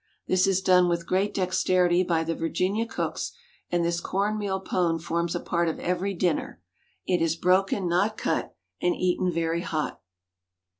This is done with great dexterity by the Virginia cooks, and this corn meal pone forms a part of every dinner. It is broken, not cut, and eaten very hot.